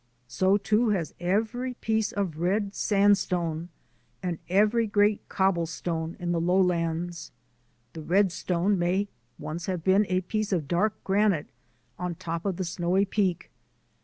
So, too, has every piece of red sand stone, and every great cobblestone in the lowlands. The red stone may once have been a piece of dark granite on top of the snowy peak.